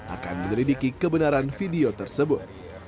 akan menyelidiki kebenaran video tersebut